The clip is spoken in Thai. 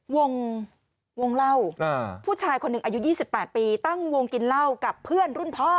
วงเล่าผู้ชายคนหนึ่งอายุ๒๘ปีตั้งวงกินเหล้ากับเพื่อนรุ่นพ่อ